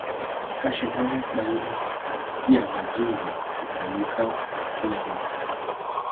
Mashindano baina ya majumba hufanyika kila mara.